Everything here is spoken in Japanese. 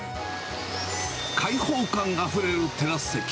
開放感あふれるテラス席。